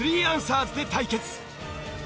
３アンサーズで対決。